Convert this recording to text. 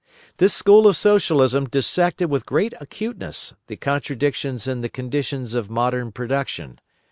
This school of Socialism dissected with great acuteness the contradictions in the conditions of modern production.